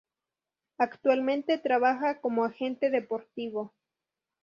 Actualmente trabaja como agente deportivo.